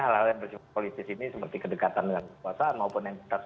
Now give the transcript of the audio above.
hal hal yang bersifat politis ini seperti kedekatan dengan kekuasaan maupun entitas